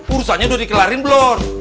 urusannya udah dikelarin belum